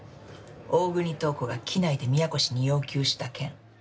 大國塔子が機内で宮越に要求した件。